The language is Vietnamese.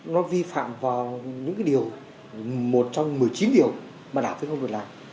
nó vi phạm vào những điều một trong một mươi chín điều mà đảng thấy không được làm